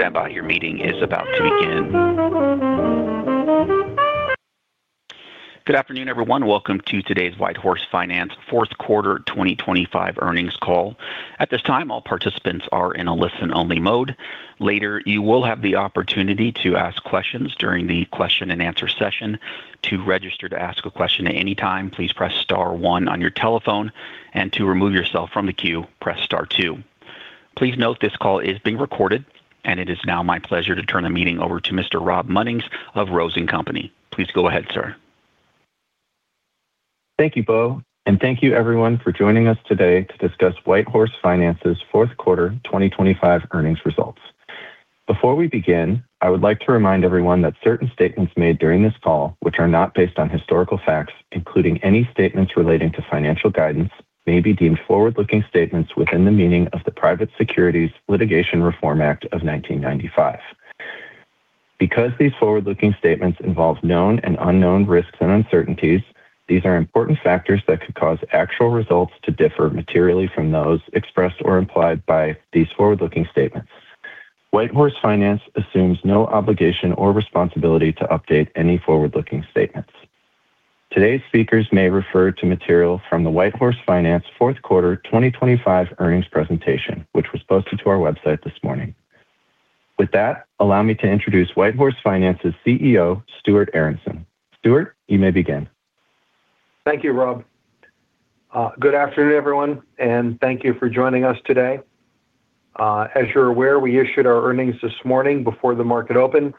Standby, your meeting is about to begin. Good afternoon, everyone. Welcome to today's WhiteHorse Finance Q4 2025 Earnings Call. At this time, all participants are in a listen-only mode. Later, you will have the opportunity to ask questions during the question and answer session. To register to ask a question at any time, please press star 1 on your telephone, and to remove yourself from the queue, press star 2. Please note this call is being recorded, and it is now my pleasure to turn the meeting over to Mr. Rob Munnings of Rose & Company. Please go ahead, sir. Thank you, Beau, and thank you everyone for joining us today to discuss WhiteHorse Finance's Q4 2025 earnings results. Before we begin, I would like to remind everyone that certain statements made during this call, which are not based on historical facts, including any statements relating to financial guidance, may be deemed forward-looking statements within the meaning of the Private Securities Litigation Reform Act of 1995. Because these forward-looking statements involve known and unknown risks and uncertainties, these are important factors that could cause actual results to differ materially from those expressed or implied by these forward-looking statements. WhiteHorse Finance assumes no obligation or responsibility to update any forward-looking statements. Today's speakers may refer to material from the WhiteHorse Finance Q4 2025 earnings presentation, which was posted to our website this morning. With that, allow me to introduce WhiteHorse Finance's CEO, Stuart Aronson. Stuart, you may begin. Thank you, Rob. Good afternoon, everyone, and thank you for joining us today. As you're aware, we issued our earnings this morning before the market opened.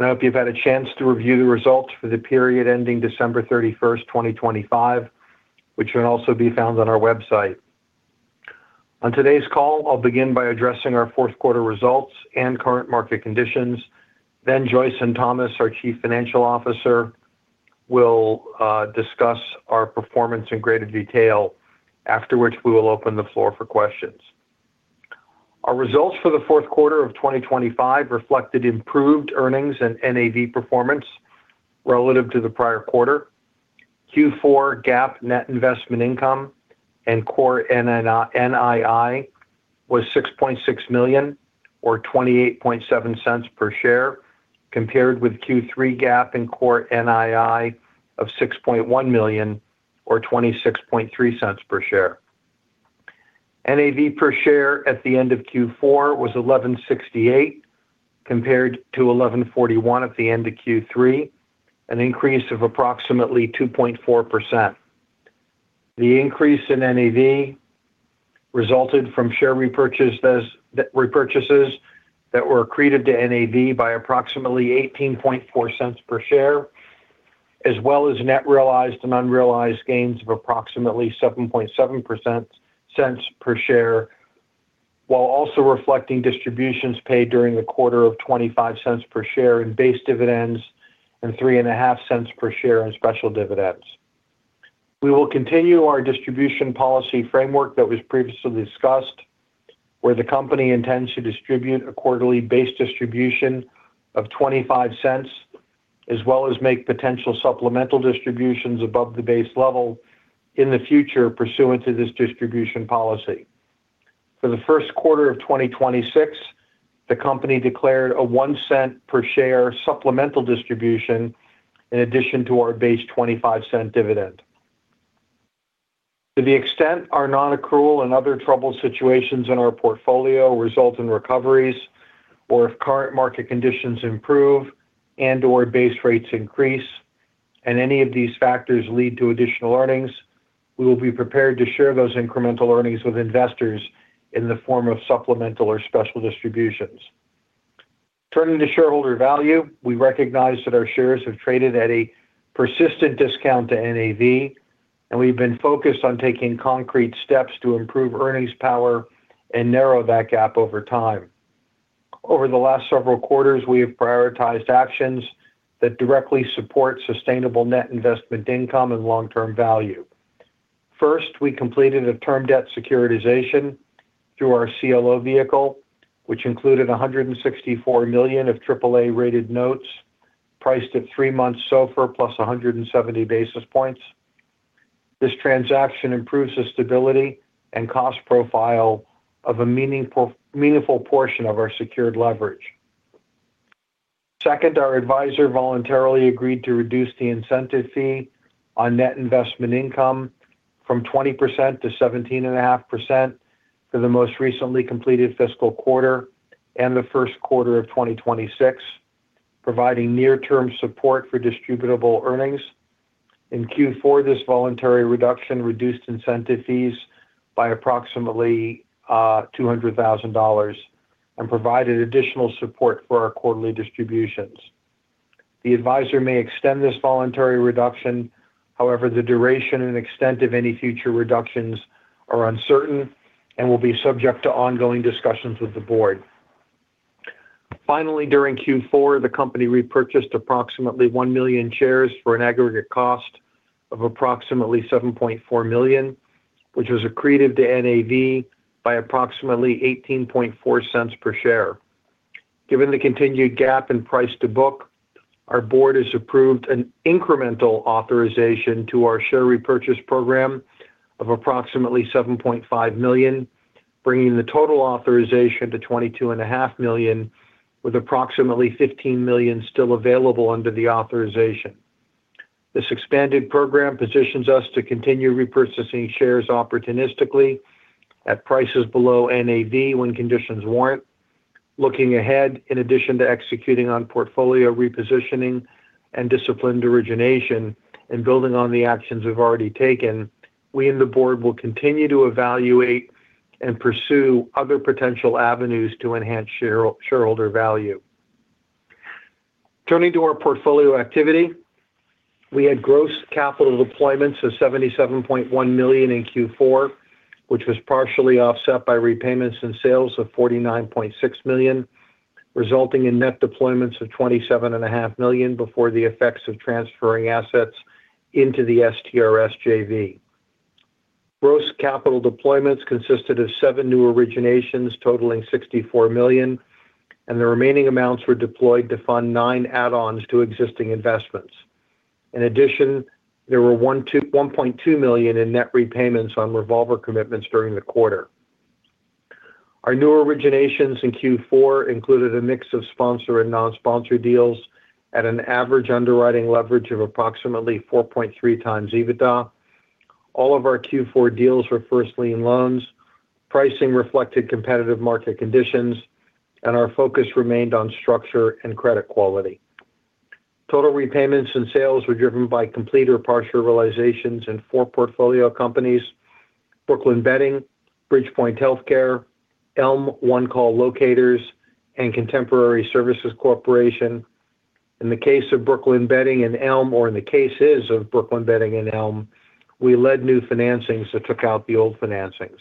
I hope you've had a chance to review the results for the period ending December 31, 2025, which can also be found on our website. On today's call, I'll begin by addressing our Q4 results and current market conditions. Joyson Thomas, our Chief Financial Officer, will discuss our performance in greater detail. We will open the floor for questions. Our results for the Q4 of 2025 reflected improved earnings and NAV performance relative to the prior quarter. Q4 GAAP net investment income and core NII was $6.6 million or $0.287 per share compared with Q3 GAAP and core NII of $6.1 million or $0.263 per share. NAV per share at the end of Q4 was $11.68 compared to $11.41 at the end of Q3, an increase of approximately 2.4%. The increase in NAV resulted from share repurchases that were accreted to NAV by approximately $0.184 per share, as well as net realized and unrealized gains of approximately $0.077 per share, while also reflecting distributions paid during the quarter of $0.25 per share in base dividends and $0.035 per share in special dividends. We will continue our distribution policy framework that was previously discussed, where the company intends to distribute a quarterly base distribution of $0.25, as well as make potential supplemental distributions above the base level in the future pursuant to this distribution policy. For the Q1 of 2026, the company declared a $0.01 per share supplemental distribution in addition to our base $0.25 dividend. To the extent our non-accrual and other troubled situations in our portfolio result in recoveries or if current market conditions improve and/or base rates increase and any of these factors lead to additional earnings, we will be prepared to share those incremental earnings with investors in the form of supplemental or special distributions. Turning to shareholder value, we recognize that our shares have traded at a persistent discount to NAV, we've been focused on taking concrete steps to improve earnings power and narrow that gap over time. Over the last several quarters, we have prioritized actions that directly support sustainable net investment income and long-term value. First, we completed a term debt securitization through our CLO vehicle, which included $164 million of AAA-rated notes priced at 3 months SOFR plus 170 basis points. This transaction improves the stability and cost profile of a meaningful portion of our secured leverage. Second, our advisor voluntarily agreed to reduce the incentive fee on net investment income from 20% to 17.5% for the most recently completed fiscal quarter and the Q1 of 2026, providing near-term support for distributable earnings. In Q4, this voluntary reduction reduced incentive fees by approximately $200,000 and provided additional support for our quarterly distributions. The advisor may extend this voluntary reduction. However, the duration and extent of any future reductions are uncertain and will be subject to ongoing discussions with the board. Finally, during Q4, the company repurchased approximately 1 million shares for an aggregate cost of approximately $7.4 million, which was accretive to NAV by approximately $0.184 per share. Given the continued gap in price to book. Our board has approved an incremental authorization to our share repurchase program of approximately $7.5 million, bringing the total authorization to $22.5 million with approximately $15 million still available under the authorization. This expanded program positions us to continue repurchasing shares opportunistically at prices below NAV when conditions warrant. Looking ahead, in addition to executing on portfolio repositioning and disciplined origination and building on the actions we've already taken, we and the board will continue to evaluate and pursue other potential avenues to enhance shareholder value. Turning to our portfolio activity, we had gross capital deployments of $77.1 million in Q4, which was partially offset by repayments and sales of $49.6 million, resulting in net deployments of $27.5 million before the effects of transferring assets into the STRS JV. Gross capital deployments consisted of seven new originations totaling $64 million, and the remaining amounts were deployed to fund 9 add-ons to existing investments. In addition, there were $1.2 million in net repayments on revolver commitments during the quarter. Our new originations in Q4 included a mix of sponsor and non-sponsor deals at an average underwriting leverage of approximately 4.3x EBITDA. All of our Q4 deals were first lien loans. Pricing reflected competitive market conditions, and our focus remained on structure and credit quality. Total repayments and sales were driven by complete or partial realizations in four portfolio companies, Brooklyn Bedding, Bridgepoint Healthcare, ELM, One Call Locators, and Contemporary Services Corporation. In the case of Brooklyn Bedding and ELM, or in the cases of Brooklyn Bedding and ELM, we led new financings that took out the old financings.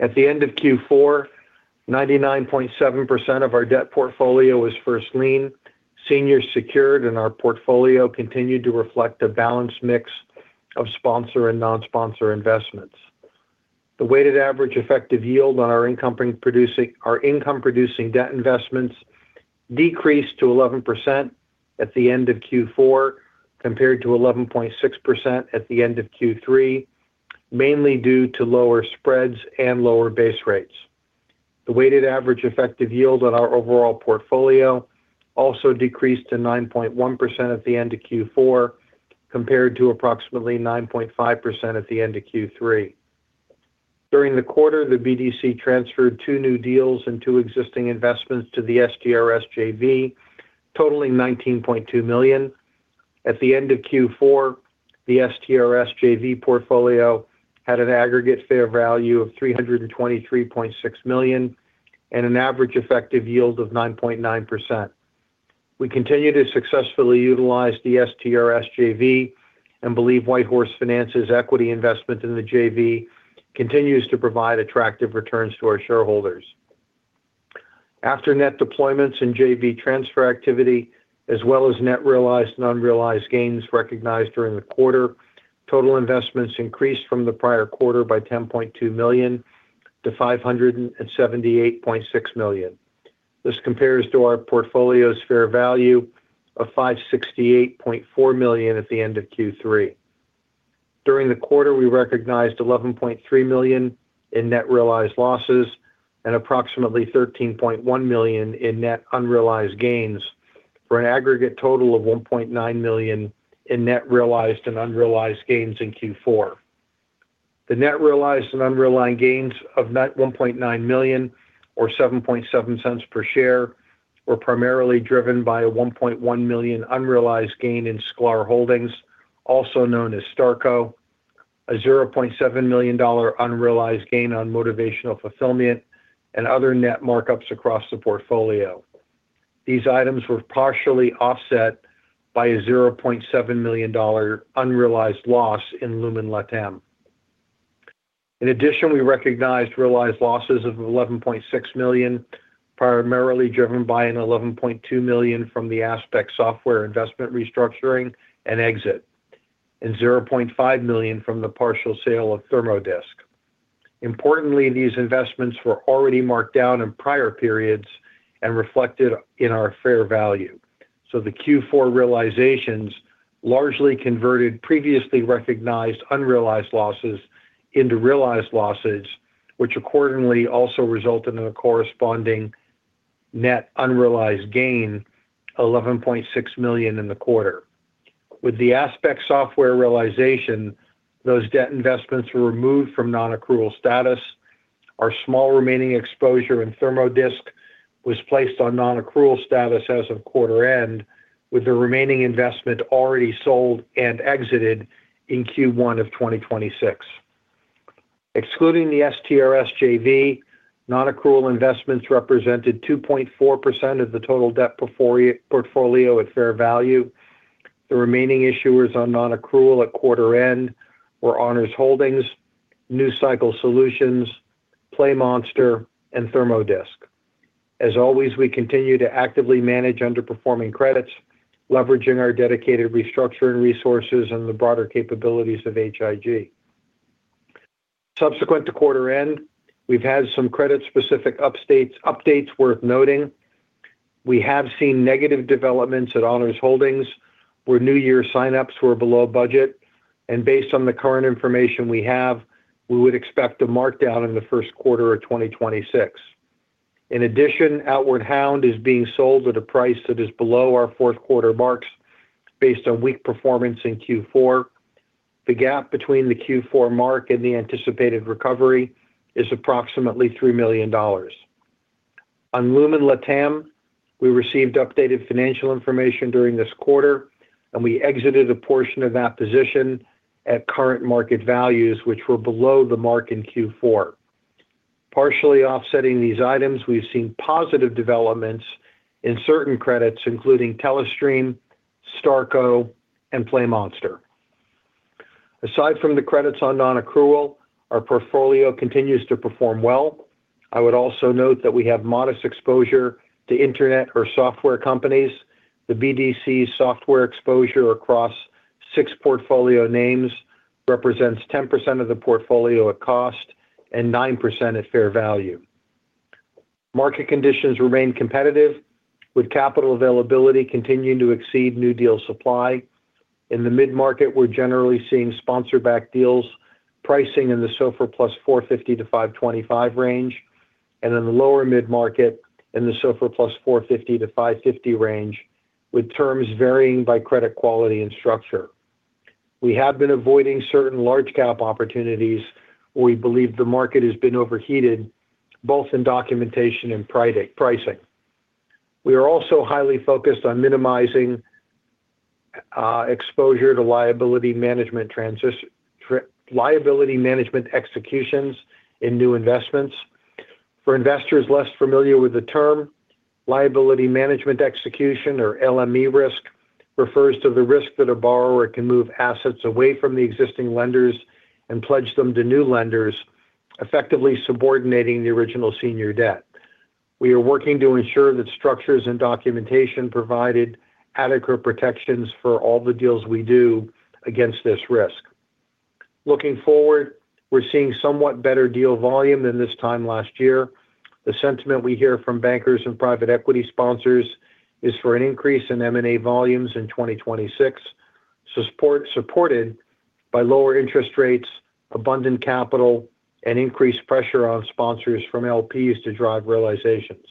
At the end of Q4, 99.7% of our debt portfolio was first lien. Senior secured and our portfolio continued to reflect a balanced mix of sponsor and non-sponsor investments. The weighted average effective yield on our income-producing debt investments decreased to 11% at the end of Q4 compared to 11.6% at the end of Q3, mainly due to lower spreads and lower base rates. The weighted average effective yield on our overall portfolio also decreased to 9.1% at the end of Q4 compared to approximately 9.5% at the end of Q3. During the quarter, the BDC transferred two new deals and two existing investments to the STRS JV, totaling $19.2 million. At the end of Q4, the STRS JV portfolio had an aggregate fair value of $323.6 million and an average effective yield of 9.9%. We continue to successfully utilize the STRS JV and believe WhiteHorse Finance's equity investment in the JV continues to provide attractive returns to our shareholders. After net deployments and JV transfer activity, as well as net realized and unrealized gains recognized during the quarter, total investments increased from the prior quarter by $10.2 million to $578.6 million. This compares to our portfolio's fair value of $568.4 million at the end of Q3. During the quarter, we recognized $11.3 million in net realized losses and approximately $13.1 million in net unrealized gains for an aggregate total of $1.9 million in net realized and unrealized gains in Q4. The net realized and unrealized gains of net $1.9 million or $0.077 per share were primarily driven by a $1.1 million unrealized gain in Sklar Holdings, also known as Starco, a $0.7 million unrealized gain on Motivational Fulfillment and other net markups across the portfolio. These items were partially offset by a $0.7 million unrealized loss in Lumen LATAM. We recognized realized losses of $11.6 million, primarily driven by an $11.2 million from the Aspect Software investment restructuring and exit and $0.5 million from the partial sale of Therm-O-Disc. These investments were already marked down in prior periods and reflected in our fair value. The Q4 realizations largely converted previously recognized unrealized losses into realized losses, which accordingly also resulted in a corresponding net unrealized gain of $11.6 million in the quarter. With the Aspect Software realization, those debt investments were removed from non-accrual status. Our small remaining exposure in Thermodisk was placed on non-accrual status as of quarter end, with the remaining investment already sold and exited in Q1 of 2026. Excluding the STRS JV, non-accrual investments represented 2.4% of the total debt portfolio at fair value. The remaining issuers on non-accrual at quarter end were Honors Holdings, Newcycle Solutions, PlayMonster, and Thermodisk. As always, we continue to actively manage underperforming credits, leveraging our dedicated restructuring resources and the broader capabilities of H.I.G. Subsequent to quarter end, we've had some credit-specific updates worth noting. We have seen negative developments at Honors Holdings, where new year sign-ups were below budget. Based on the current information we have, we would expect a markdown in the Q1 of 2026. In addition, Outward Hound is being sold at a price that is below our Q4 marks based on weak performance in Q4. The gap between the Q4 mark and the anticipated recovery is approximately $3 million. On Lumen LATAM, we received updated financial information during this quarter, and we exited a portion of that position at current market values, which were below the mark in Q4. Partially offsetting these items, we've seen positive developments in certain credits, including Telestream, Starco, and PlayMonster. Aside from the credits on non-accrual, our portfolio continues to perform well. I would also note that we have modest exposure to internet or software companies. The BDC software exposure across six portfolio names represents 10% of the portfolio at cost and 9% at fair value. Market conditions remain competitive, with capital availability continuing to exceed new deal supply. In the mid-market, we're generally seeing sponsor-backed deals pricing in the SOFR plus 450-525 range, and in the lower mid-market in the SOFR plus 450-550 range, with terms varying by credit quality and structure. We have been avoiding certain large cap opportunities where we believe the market has been overheated, both in documentation and pricing. We are also highly focused on minimizing exposure to liability management executions in new investments. For investors less familiar with the term, liability management execution or LME risk refers to the risk that a borrower can move assets away from the existing lenders and pledge them to new lenders, effectively subordinating the original senior debt. We are working to ensure that structures and documentation provided adequate protections for all the deals we do against this risk. Looking forward, we're seeing somewhat better deal volume than this time last year. The sentiment we hear from bankers and private equity sponsors is for an increase in M&A volumes in 2026, supported by lower interest rates, abundant capital, and increased pressure on sponsors from LPs to drive realizations.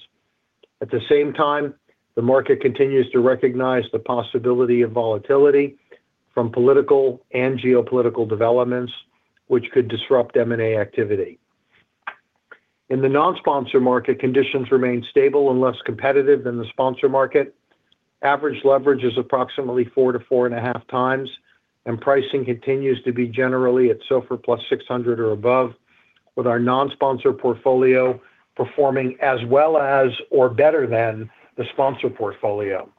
At the same time, the market continues to recognize the possibility of volatility from political and geopolitical developments which could disrupt M&A activity. In the non-sponsor market, conditions remain stable and less competitive than the sponsor market. Average leverage is approximately 4x-4.5x, Pricing continues to be generally at SOFR plus 600 or above, with our non-sponsor portfolio performing as well as or better than the sponsor portfolio.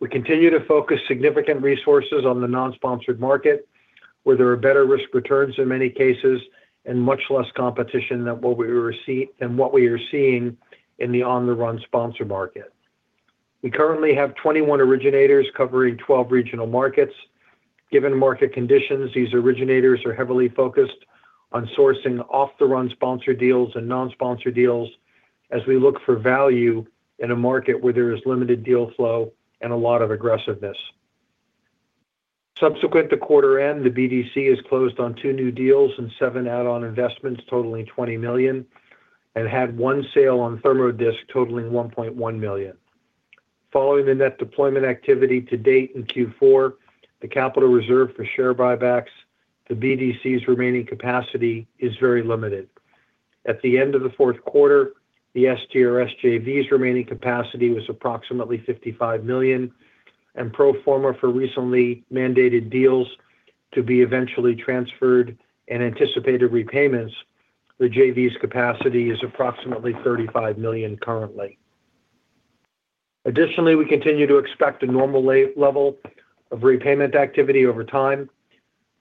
We continue to focus significant resources on the non-sponsored market, where there are better risk returns in many cases and much less competition than what we are seeing in the on-the-run sponsor market. We currently have 21 originators covering 12 regional markets. Given market conditions, these originators are heavily focused on sourcing off-the-run sponsor deals and non-sponsor deals as we look for value in a market where there is limited deal flow and a lot of aggressiveness. Subsequent to quarter end, the BDC has closed on two new deals and seven add-on investments totaling $20 million and had 1 sale on ThermoDisc totaling $1.1 million. Following the net deployment activity to date in Q4, the capital reserve for share buybacks, the BDC's remaining capacity is very limited. At the end of the Q4, the STRS JV's remaining capacity was approximately $55 million. Pro forma for recently mandated deals to be eventually transferred and anticipated repayments, the JV's capacity is approximately $35 million currently. Additionally, we continue to expect a normal level of repayment activity over time.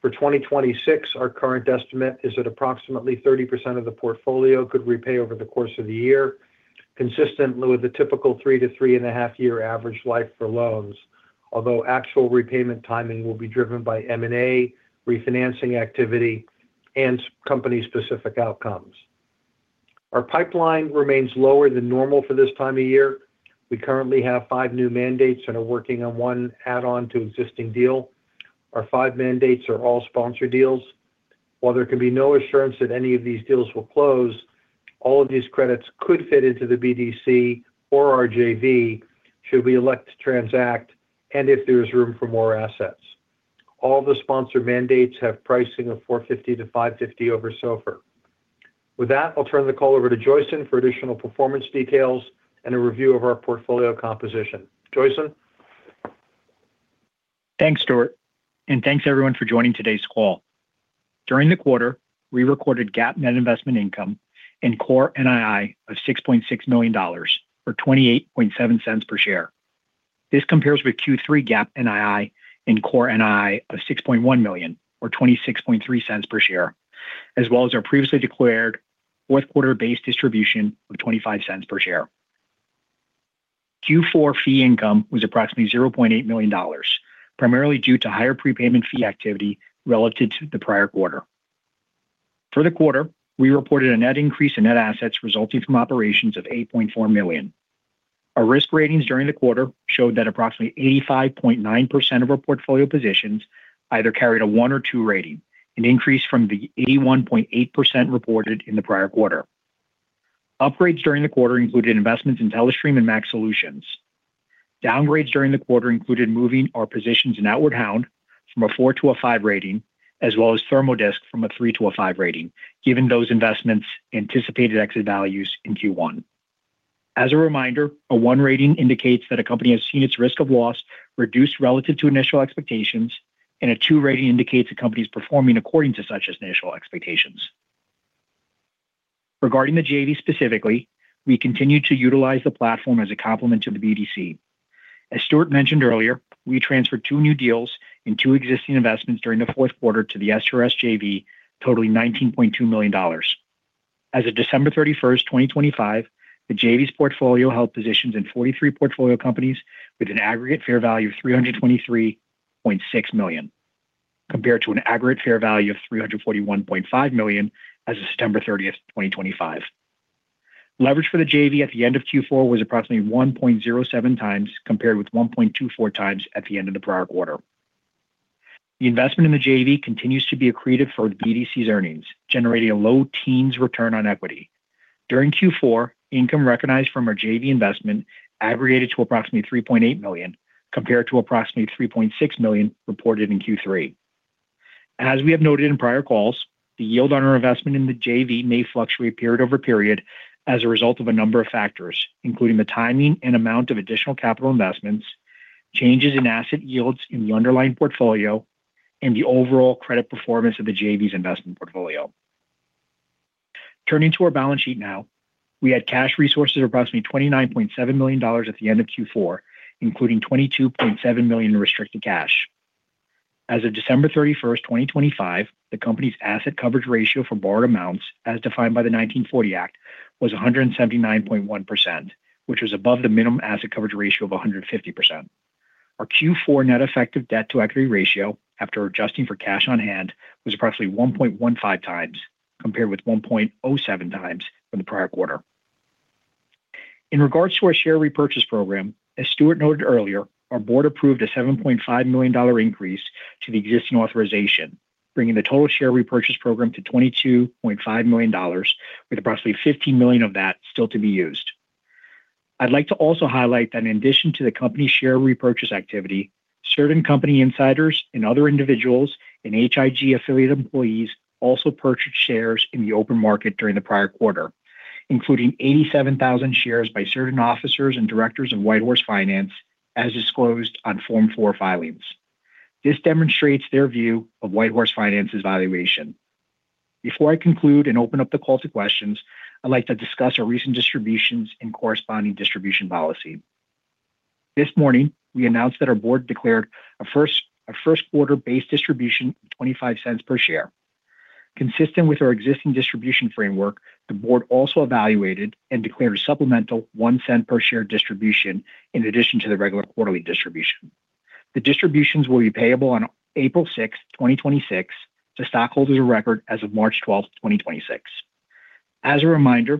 For 2026, our current estimate is that approximately 30% of the portfolio could repay over the course of the year, consistent with the typical three to three and a half year average life for loans. Although actual repayment timing will be driven by M&A refinancing activity and company-specific outcomes. Our pipeline remains lower than normal for this time of year. We currently have five new mandates and are working on one add-on to existing deal. Our five mandates are all sponsor deals. While there can be no assurance that any of these deals will close, all of these credits could fit into the BDC or our JV should we elect to transact and if there is room for more assets. All the sponsor mandates have pricing of 450-550 over SOFR. With that, I'll turn the call over to Joyson for additional performance details and a review of our portfolio composition. Joyson. Thanks, Stuart. Thanks, everyone, for joining today's call. During the quarter, we recorded GAAP net investment income and core NII of $6.6 million or $0.287 per share. This compares with Q3 GAAP NII and core NII of $6.1 million or $0.263 per share, as well as our previously declared Q4 base distribution of $0.25 per share. Q4 fee income was approximately $0.8 million, primarily due to higher prepayment fee activity relative to the prior quarter. For the quarter, we reported a net increase in net assets resulting from operations of $8.4 million. Our risk ratings during the quarter showed that approximately 85.9% of our portfolio positions either carried a one or two rating, an increase from the 81.8% reported in the prior quarter. Upgrades during the quarter included investments in Telestream and Max Solutions. Downgrades during the quarter included moving our positions in Outward Hound from a 4%-5% rating as well as Therm-O-Disc from a 3%-5% rating, given those investments anticipated exit values in Q1. As a reminder, 1% rating indicates that a company has seen its risk of loss reduced relative to initial expectations, and a 2% rating indicates the company is performing according to such initial expectations. Regarding the BDC specifically, we continue to utilize the platform as a complement to the BDC. As Stuart mentioned earlier, we transferred two new deals and two existing investments during the Q4 to the STRS JV, totaling $19.2 million. As of December 31, 2025, the JV's portfolio held positions in 43 portfolio companies with an aggregate fair value of $323.6 million, compared to an aggregate fair value of $341.5 million as of September 30, 2025. Leverage for the JV at the end of Qfour was approximately 1.07 times, compared with 1.24 times at the end of the prior quarter. The investment in the JV continues to be accretive for BDC's earnings, generating a low teens return on equity. During Qfour, income recognized from our JV investment aggregated to approximately $3.8 million, compared to approximately $3.6 million reported in Qthree. As we have noted in prior calls, the yield on our investment in the JV may fluctuate period over period as a result of a number of factors, including the timing and amount of additional capital investments, changes in asset yields in the underlying portfolio, and the overall credit performance of the JV's investment portfolio. Turning to our balance sheet now. We had cash resources of approximately $29.7 million at the end of Q4, including $22.7 million in restricted cash. As of December 31st, 2025, the company's asset coverage ratio for borrowed amounts, as defined by the 1940 Act, was 179.1%, which was above the minimum asset coverage ratio of 150%. Our Q4 net effective debt-to-equity ratio after adjusting for cash on hand was approximately 1.15 times, compared with 1.07 times from the prior quarter. In regards to our share repurchase program, as Stuart noted earlier, our board approved a $7.5 million increase to the existing authorization, bringing the total share repurchase program to $22.5 million, with approximately $15 million of that still to be used. I'd like to also highlight that in addition to the company share repurchase activity, certain company insiders and other individuals and H.I.G. affiliate employees also purchased shares in the open market during the prior quarter, including 87,000 shares by certain officers and directors of WhiteHorse Finance, as disclosed on Form four filings. This demonstrates their view of WhiteHorse Finance's valuation. Before I conclude and open up the call to questions, I'd like to discuss our recent distributions and corresponding distribution policy. This morning, we announced that our board declared a Q1 base distribution of $0.25 per share. Consistent with our existing distribution framework, the board also evaluated and declared a supplemental $0.01 per share distribution in addition to the regular quarterly distribution. The distributions will be payable on April 6, 2026, to stockholders of record as of March 12, 2026. As a reminder,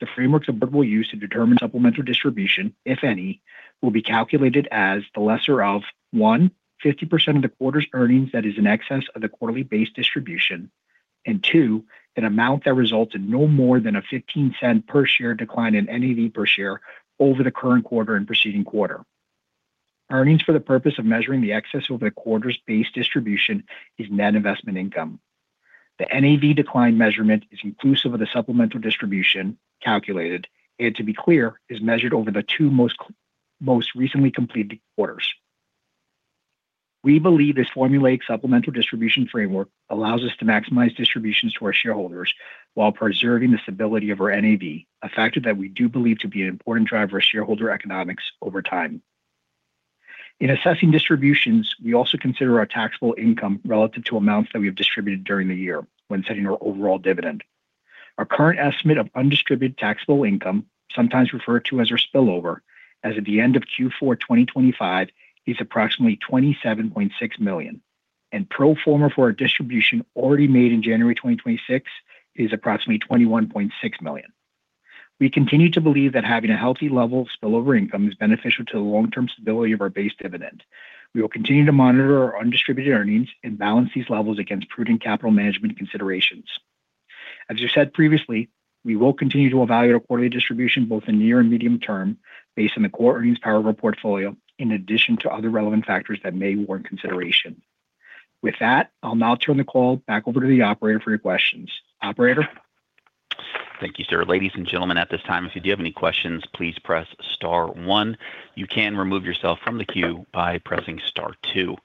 the frameworks of board will use to determine supplemental distribution, if any, will be calculated as the lesser of, one, 50% of the quarter's earnings that is in excess of the quarterly base distribution, and two, an amount that results in no more than a $0.15 per share decline in NAV per share over the current quarter and preceding quarter. Earnings for the purpose of measuring the excess over the quarter's base distribution is net investment income. The NAV decline measurement is inclusive of the supplemental distribution calculated, and to be clear, is measured over the two most recently completed quarters. We believe this formulaic supplemental distribution framework allows us to maximize distributions to our shareholders while preserving the stability of our NAV, a factor that we do believe to be an important driver of shareholder economics over time. In assessing distributions, we also consider our taxable income relative to amounts that we have distributed during the year when setting our overall dividend. Our current estimate of undistributed taxable income, sometimes referred to as our spillover, as of the end of Q4 2025 is approximately $27.6 million, and pro forma for our distribution already made in January 2026 is approximately $21.6 million. We continue to believe that having a healthy level of spillover income is beneficial to the long-term stability of our base dividend. We will continue to monitor our undistributed earnings and balance these levels against prudent capital management considerations. As we said previously, we will continue to evaluate our quarterly distribution, both in near and medium term, based on the core earnings power of our portfolio in addition to other relevant factors that may warrant consideration. With that, I'll now turn the call back over to the operator for your questions. Operator? Thank you, sir. Ladies and gentlemen, at this time, if you have any questions, please press star one. You can remove yourself from the queue by pressing star two.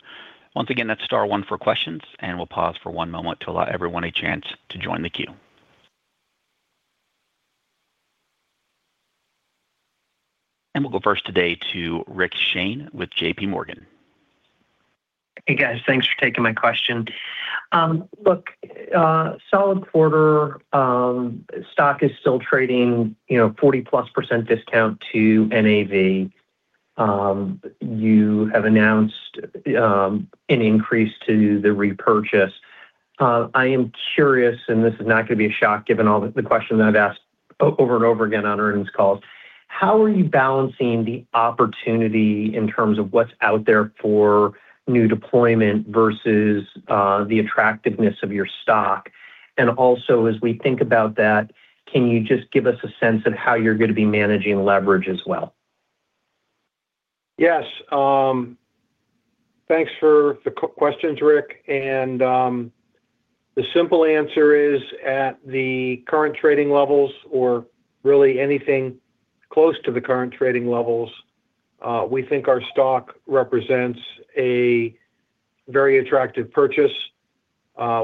Once again, that's star one for questions, we'll pause for one moment to allow everyone a chance to join the queue. We'll go first today to Rick Shane with J.P. Morgan. Hey guys, thanks for taking my question. Look, solid quarter, stock is still trading, you know, 40%-plus discount to NAV. You have announced an increase to the repurchase. I am curious, this is not gonna be a shock given all the questions that I've asked over and over again on earnings calls, how are you balancing the opportunity in terms of what's out there for new deployment versus the attractiveness of your stock? As we think about that, can you just give us a sense of how you're gonna be managing leverage as well? Yes. Thanks for the questions, Rick. The simple answer is, at the current trading levels or really anything close to the current trading levels, we think our stock represents a very attractive purchase,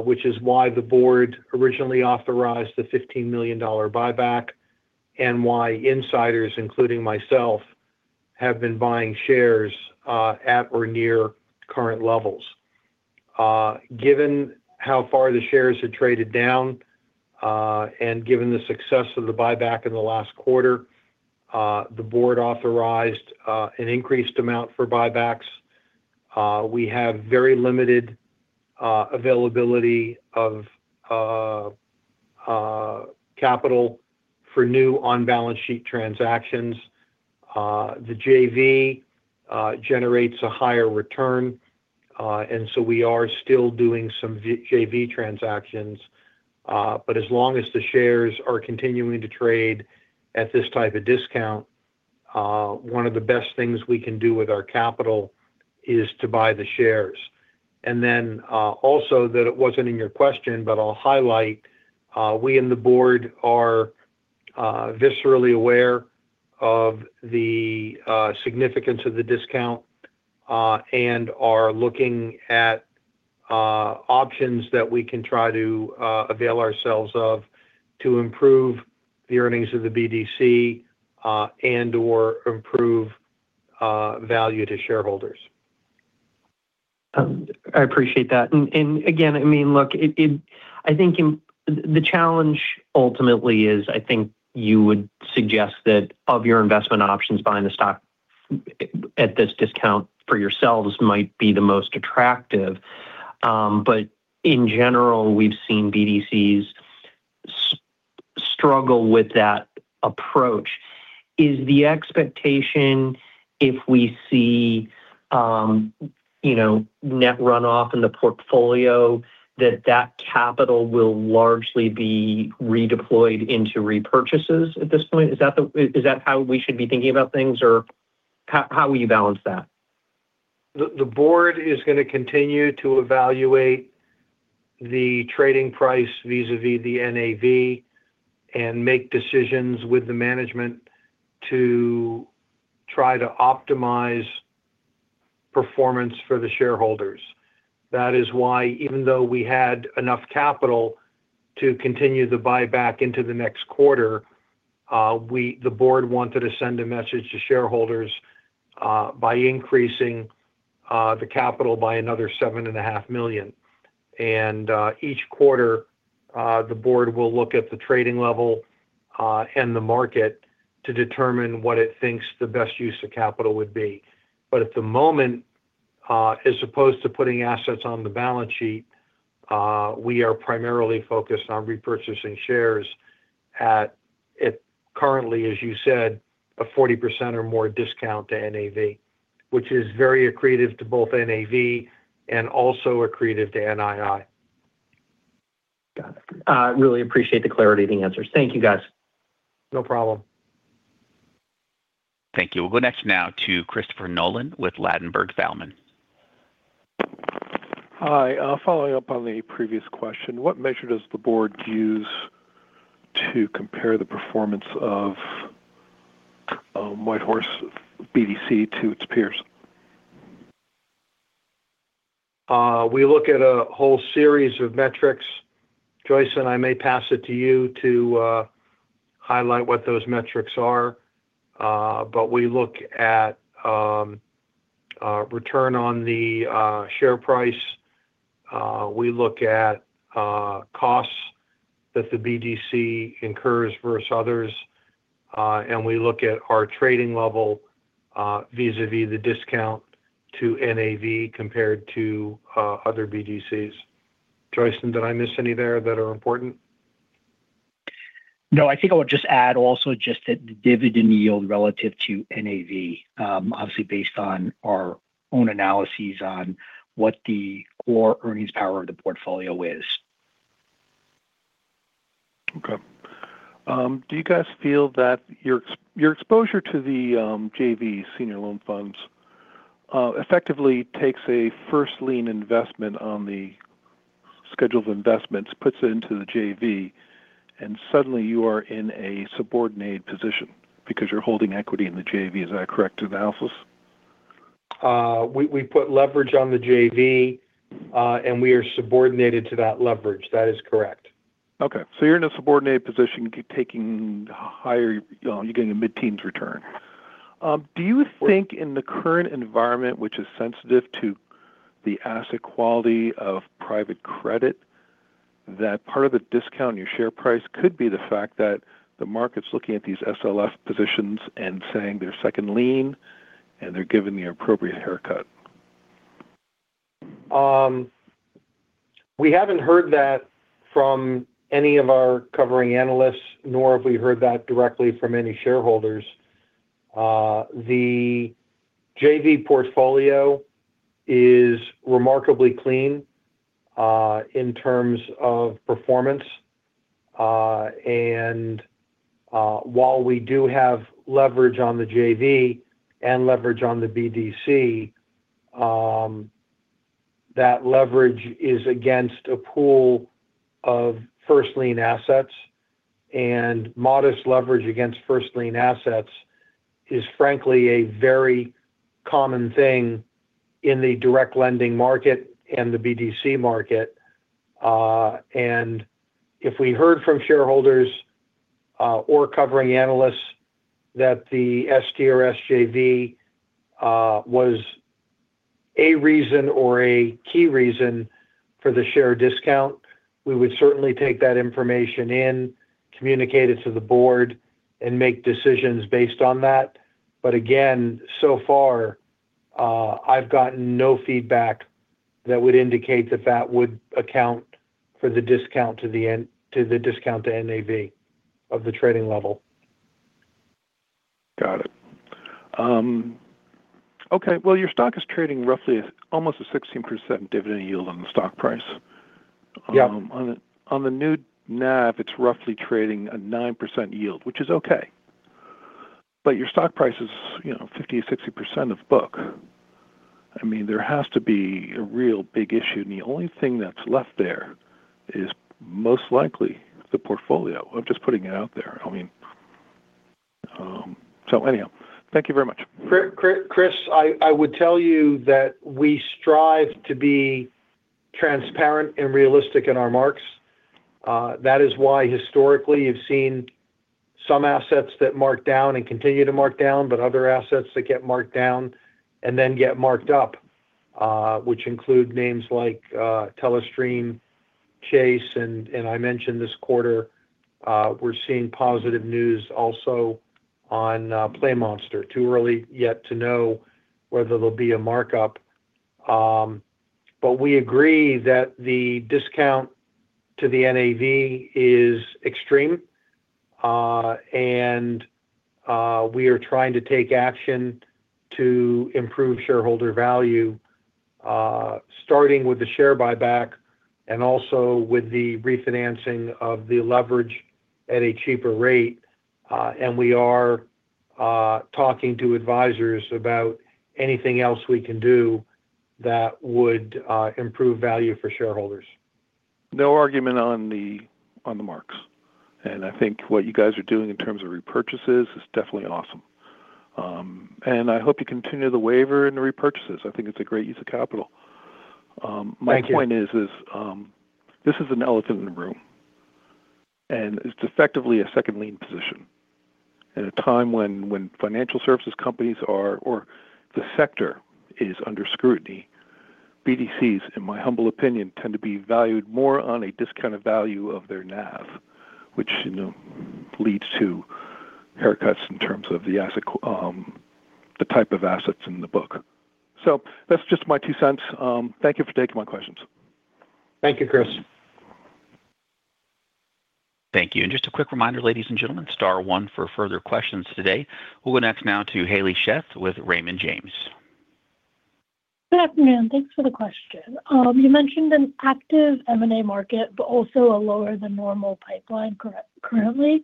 which is why the board originally authorized the $15 million buyback and why insiders, including myself, have been buying shares at or near current levels. Given how far the shares had traded down, and given the success of the buyback in the last quarter, the board authorized an increased amount for buybacks. We have very limited availability of capital for new on-balance sheet transactions. The JV generates a higher return, we are still doing some JV transactions. As long as the shares are continuing to trade at this type of discount, one of the best things we can do with our capital is to buy the shares. Also that it wasn't in your question, but I'll highlight, we in the board are viscerally aware of the significance of the discount, and are looking at options that we can try to avail ourselves of to improve the earnings of the BDC, and/or improve value to shareholders. I appreciate that. Again, I mean, look, I think the challenge ultimately is, I think you would suggest that of your investment options, buying the stock at this discount for yourselves might be the most attractive. In general, we've seen BDCs struggle with that approach. Is the expectation if we see, you know, net runoff in the portfolio that that capital will largely be redeployed into repurchases at this point? Is that how we should be thinking about things? How will you balance that? The board is gonna continue to evaluate the trading price vis-à-vis the NAV and make decisions with the management to try to optimize performance for the shareholders. That is why even though we had enough capital to continue the buyback into the next quarter, the board wanted to send a message to shareholders by increasing the capital by another $7.5 million. Each quarter, the board will look at the trading level and the market to determine what it thinks the best use of capital would be. At the moment, as opposed to putting assets on the balance sheet, we are primarily focused on repurchasing shares at currently, as you said, a 40% or more discount to NAV, which is very accretive to both NAV and also accretive to NII. Got it. Really appreciate the clarity of the answers. Thank you, guys. No problem. Thank you. We'll go next now to Christopher Nolan with Ladenburg Thalmann. Hi. Following up on the previous question, what measure does the board use to compare the performance of WhiteHorse BDC to its peers? We look at a whole series of metrics. Joyce, and I may pass it to you to highlight what those metrics are. We look at return on the share price. We look at costs that the BDC incurs versus others, and we look at our trading level vis-à-vis the discount to NAV compared to other BDCs. Joyson, did I miss any there that are important? No. I think I would just add also just that the dividend yield relative to NAV, obviously based on our own analyses on what the core earnings power of the portfolio is. Okay. Do you guys feel that your exposure to the JV senior loan funds effectively takes a first lien investment on the scheduled investments, puts it into the JV, and suddenly you are in a subordinate position because you're holding equity in the JV? Is that a correct analysis? We put leverage on the JV, and we are subordinated to that leverage. That is correct. You're in a subordinate position. You're getting a mid-teens return. Do you think in the current environment, which is sensitive to the asset quality of private credit, that part of the discount in your share price could be the fact that the market's looking at these SLF positions and saying they're second lien, and they're giving the appropriate haircut? We haven't heard that from any of our covering analysts, nor have we heard that directly from any shareholders. The JV portfolio is remarkably clean, in terms of performance. And while we do have leverage on the JV and leverage on the BDC, that leverage is against a pool of first lien assets. Modest leverage against first lien assets is frankly a very common thing in the direct lending market and the BDC market. If we heard from shareholders, or covering analysts that the STRS JV, was a reason or a key reason for the share discount, we would certainly take that information in, communicate it to the board, and make decisions based on that. Again, so far, I've gotten no feedback that would indicate that that would account for the discount to the discount to NAV of the trading level. Got it. Okay. Your stock is trading roughly almost a 16% dividend yield on the stock price. Yeah. On the, on the new NAV, it's roughly trading a 9% yield, which is okay. Your stock price is, you know, 50%, 60% of book. I mean, there has to be a real big issue, and the only thing that's left there is most likely the portfolio. I'm just putting it out there. I mean, anyhow, thank you very much. Chris, I would tell you that we strive to be transparent and realistic in our marks. That is why historically you've seen some assets that mark down and continue to mark down, but other assets that get marked down and then get marked up, which include names like Telestream, Chase, and I mentioned this quarter, we're seeing positive news also on PlayMonster. Too early yet to know whether there'll be a markup. We agree that the discount to the NAV is extreme, and we are trying to take action to improve shareholder value, starting with the share buyback and also with the refinancing of the leverage at a cheaper rate. We are talking to advisors about anything else we can do that would improve value for shareholders. No argument on the, on the marks. I think what you guys are doing in terms of repurchases is definitely awesome. I hope you continue the waiver and the repurchases. I think it's a great use of capital. Thank you. My point is, this is an elephant in the room. It's effectively a second lien position. At a time when financial services companies or the sector is under scrutiny, BDCs, in my humble opinion, tend to be valued more on a discounted value of their NAV, which, you know, leads to haircuts in terms of the asset qual the type of assets in the book. That's just my $0.02. Thank you for taking my questions. Thank you, Chris. Thank you. Just a quick reminder, ladies and gentlemen, star 1 for further questions today. We'll go next now to Robert Dodd with Raymond James. Good afternoon. Thanks for the question. You mentioned an active M&A market, but also a lower than normal pipeline currently.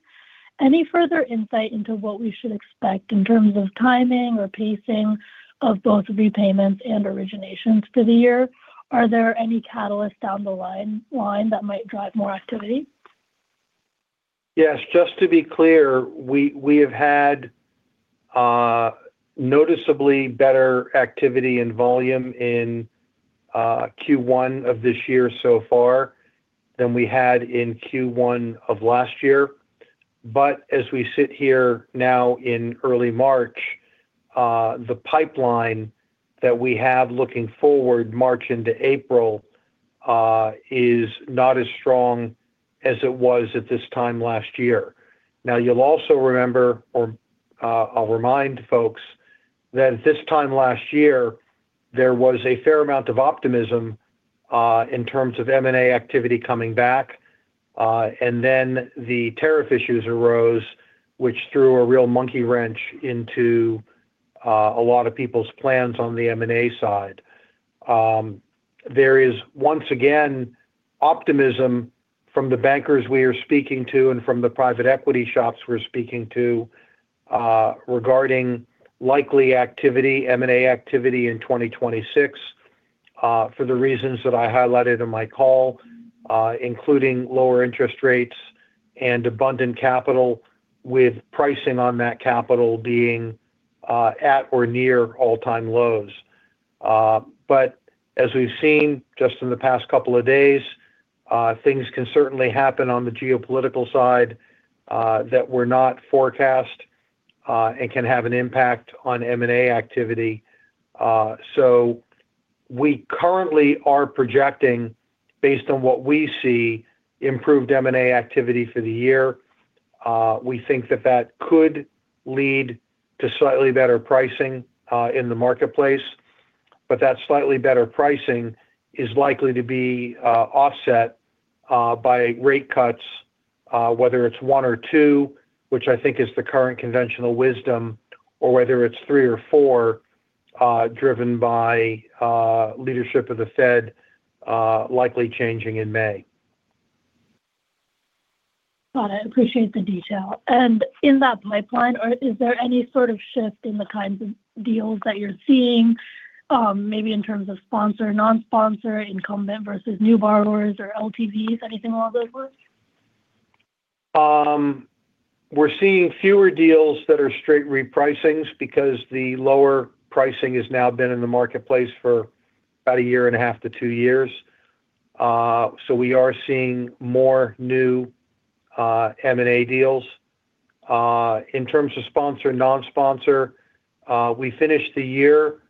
Any further insight into what we should expect in terms of timing or pacing of both repayments and originations for the year? Are there any catalysts down the line that might drive more activity? Yes. Just to be clear, we have had noticeably better activity and volume in Q1 of this year so far than we had in Q1 of last year. As we sit here now in early March, the pipeline that we have looking forward March into April, is not as strong as it was at this time last year. You'll also remember or I'll remind folks that at this time last year, there was a fair amount of optimism in terms of M&A activity coming back, and then the tariff issues arose, which threw a real monkey wrench into a lot of people's plans on the M&A side. There is once again optimism from the bankers we are speaking to and from the private equity shops we're speaking to, regarding likely activity, M&A activity in 2026, for the reasons that I highlighted in my call, including lower interest rates and abundant capital with pricing on that capital being at or near all-time lows. As we've seen just in the past couple of days, things can certainly happen on the geopolitical side, that were not forecast, and can have an impact on M&A activity. We currently are projecting, based on what we see, improved M&A activity for the year. We think that that could lead to slightly better pricing in the marketplace, but that slightly better pricing is likely to be offset by rate cuts, whether it's 1% or 2%, which I think is the current conventional wisdom, or whether it's 3% or 4%, driven by leadership of the Fed, likely changing in May. Got it. Appreciate the detail. In that pipeline, is there any sort of shift in the kinds of deals that you're seeing, maybe in terms of sponsor, non-sponsor, incumbent versus new borrowers or LTVs, anything along those lines? We're seeing fewer deals that are straight repricings because the lower pricing has now been in the marketplace for about a year and a half-two years. We are seeing more new M&A deals. In terms of sponsor, non-sponsor, we finished the year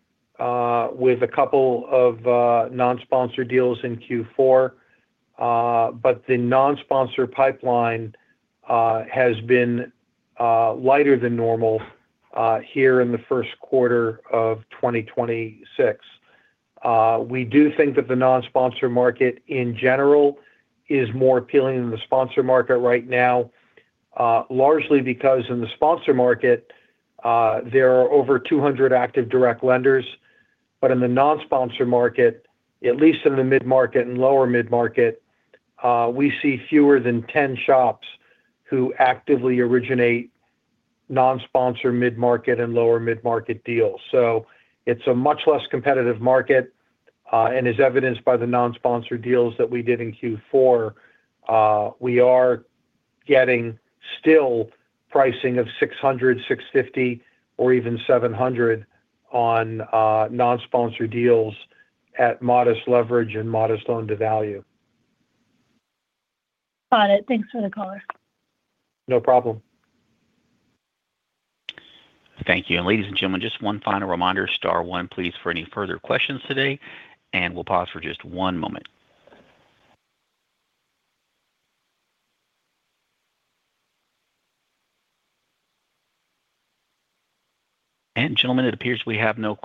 with a couple of non-sponsor deals in Q4. The non-sponsor pipeline has been lighter than normal here in the Q1 of 2026. We do think that the non-sponsor market in general is more appealing than the sponsor market right now, largely because in the sponsor market, there are over 200 active direct lenders, but in the non-sponsor market, at least in the mid-market and lower mid-market, we see fewer than 10 shops who actively originate non-sponsor mid-market and lower mid-market deals. It's a much less competitive market, and as evidenced by the non-sponsor deals that we did in Q4, we are getting still pricing of 600, 650 or even 700 on non-sponsor deals at modest leverage and modest loan to value. Got it. Thanks for the color. No problem. Thank you. Ladies and gentlemen, just one final reminder, star one, please, for any further questions today, and we'll pause for just one moment. Gentlemen, it appears we have no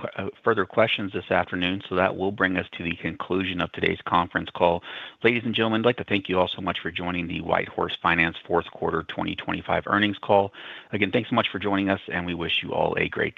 further questions this afternoon, that will bring us to the conclusion of today's conference call. Ladies and gentlemen, I'd like to thank you all so much for joining the WhiteHorse Finance, Inc. Q4 2025 Earnings Call. Again, thanks so much for joining us, and we wish you all a great day.